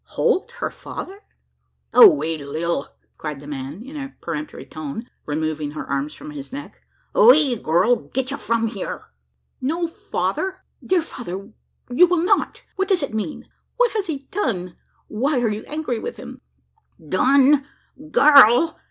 Holt her father? "Away, Lil!" cried the man in a peremptory tone, removing her arms from his neck. "Away, gurl! git ye from, hyur!" "No, father! dear father! you will not? What does it mean? What has he done? Why are you angry with him?" "Done! gurl?